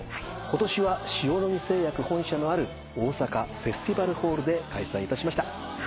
今年は塩野義製薬本社のある大阪フェスティバルホールで開催いたしました。